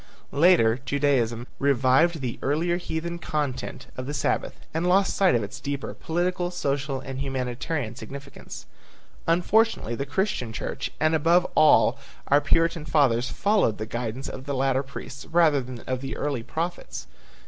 Later Judaism revived the earlier heathen content of the Sabbath, and lost sight of its deeper political, social and humanitarian significance. Unfortunately the Christian church and above all our Puritan fathers followed the guidance of the later priests rather than of the early prophets.